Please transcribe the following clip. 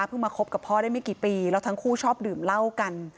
มาคบกับพ่อได้ไม่กี่ปีแล้วทั้งคู่ชอบดื่มเหล้ากัน